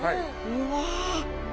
うわ！